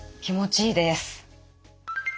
気持ちいいです。